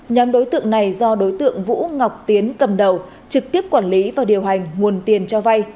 nhóm đối tượng này do đối tượng vũ ngọc tiến cầm đầu trực tiếp quản lý và điều hành nguồn tiền cho vay